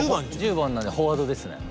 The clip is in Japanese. １０番なんでフォワードですね。